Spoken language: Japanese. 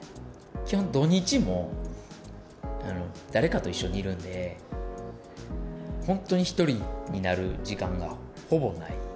基本、土日も、誰かと一緒にいるので、本当に１人になる時間がほぼない。